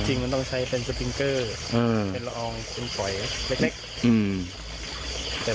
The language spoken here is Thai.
จริงมันต้องใช้เป็นสปิงเกอร์เป็นละอองเป็นฝอยเล็ก